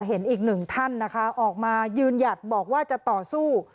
เห็นอีกหนึ่งท่านนะคะออกมายืนหยัดบอกว่าจะต่อสู้